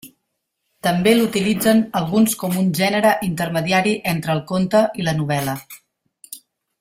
També l'utilitzen alguns com un gènere intermediari entre el conte i la novel·la.